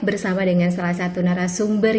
bersama dengan salah satu narasumber